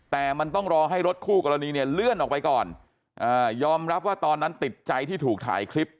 แต่มันต้องรอให้รถคู่กรณีเนี่ยเลื่อนออกไปก่อนยอมรับว่าตอนนั้นติดใจที่ถูกถ่ายคลิป